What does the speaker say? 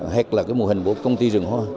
hoặc là cái mô hình của công ty rừng hoa